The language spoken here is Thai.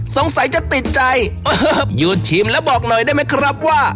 สงสัยจะติดใจหยุดชิมแล้วบอกหน่อยได้ไหมครับว่า